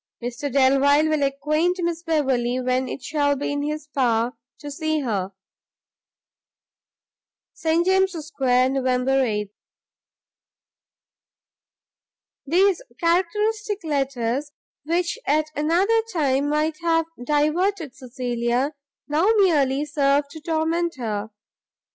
Mr Delvile will acquaint Miss Beverley when it shall be in his power to see her. St James's square, Nov 8. These characteristic letters, which at another time might have diverted Cecilia, now merely served to torment her.